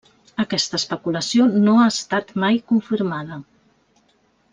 Aquesta especulació no ha estat mai confirmada.